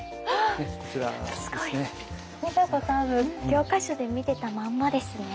教科書で見てたまんまですね。